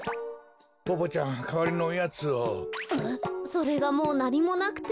それがもうなにもなくて。